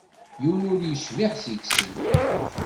Yiwen ur yecbiḥ seg-sen.